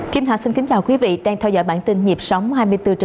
kim hạ xin kính chào quý vị đang theo dõi bản tin nhịp sóng hai mươi bốn h bảy